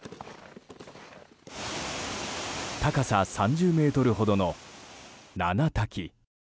高さ３０ｍほどの七滝。